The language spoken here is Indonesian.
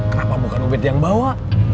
kenapa bukan ubid yang bawa